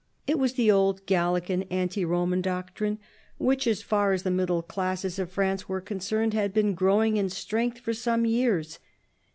It was the old Gallican, anti Roman doctrine, which, as far as ^the middle classes of France were concerned, had been growing in strength for some years.